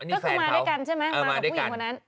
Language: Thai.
นี่แฟนเขาเออมาด้วยกัน